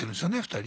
２人。